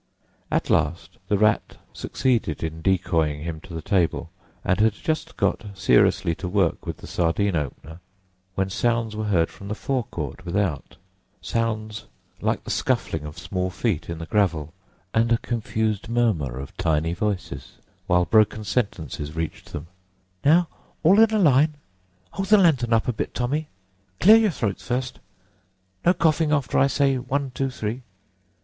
At last the Rat succeeded in decoying him to the table, and had just got seriously to work with the sardine opener when sounds were heard from the fore court without—sounds like the scuffling of small feet in the gravel and a confused murmur of tiny voices, while broken sentences reached them—"Now, all in a line—hold the lantern up a bit, Tommy—clear your throats first—no coughing after I say one, two, three.